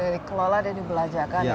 dikelola dan dibelanjakan ya